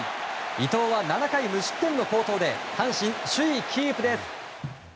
伊藤は７回無失点の好投で阪神、首位キープです。